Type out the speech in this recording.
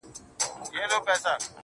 زه د هر چا ښو له کاره ويستمه